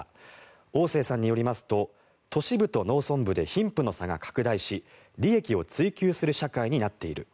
オウ・セイさんによりますと都市部と農村部で貧富の格差が拡大し利益を追求する社会になっている。